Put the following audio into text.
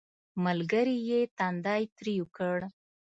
ملګري یې تندی ترېو کړ